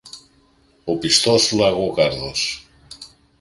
Ο πιστός σου Λαγόκαρδος